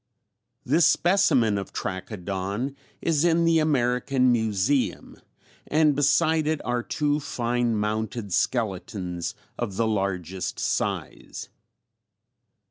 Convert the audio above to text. This specimen of Trachodon is in the American Museum, and beside it are two fine mounted skeletons of the largest size.